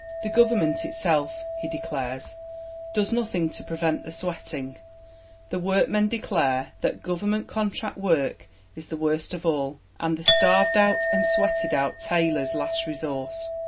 The Government itself, he declares, does nothing to prevent sweating; the workmen declare that "Government contract work is the worst of all, and the starved out and sweated out tailor's last resource